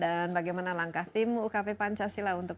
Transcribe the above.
dan bagaimana langkah tim ukp pancasila untuk